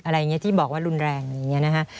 อะไรอย่างนี้ที่บอกว่ารุนแรงอย่างนี้